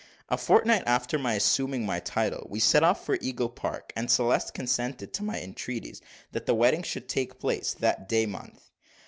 A fortnight after my assuming my title, we set off for Eagle Park: and Celeste consented to my entreaties, that the wedding should take place that day month.